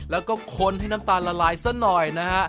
แล้วก็คนให้น้ำตาลละลายซะหน่อยนะฮะ